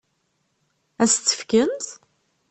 Ad s-tt-fkent?